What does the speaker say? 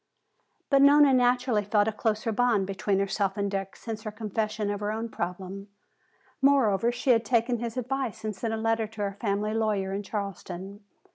But Nona naturally felt a closer bond between herself and Dick since her confession of her own problem. Moreover, she had taken his advice and sent a letter to her family lawyer in Charleston.